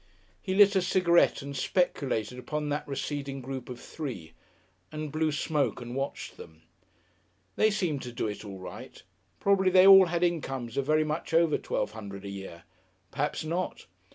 He lit a cigarette and speculated upon that receding group of three, and blew smoke and watched them. They seemed to do it all right. Probably they all had incomes of very much over twelve hundred a year. Perhaps not.